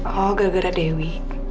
oh gara gara dewi